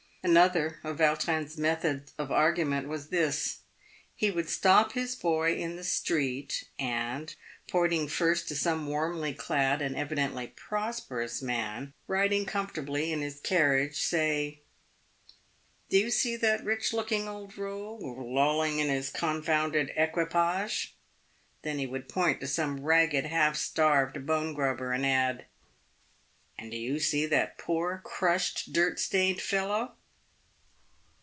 Another of Vautrin' s methods of argument was this. He would stop his boy in the street, and, pointing first to some warmly clad and evidently prosperous man, riding comfortably in his carriage, say, " Do you see that rich looking old rogue, lolling in his confounded equi page ?" Then he would point to some ragged, half starved bone grubber, and add, " And do you see that poor, crushed, dirt stained fellow